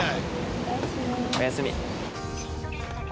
おやすみ。